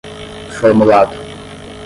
formulado